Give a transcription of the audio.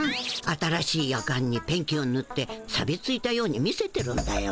新しいヤカンにペンキをぬってさびついたように見せてるんだよ。